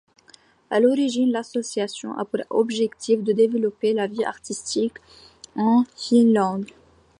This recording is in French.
À l'origine l'association a pour objectif de développer la vie artistique en Finlande.